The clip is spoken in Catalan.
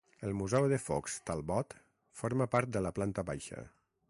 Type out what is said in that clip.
El museu de Fox Talbot forma part de la planta baixa.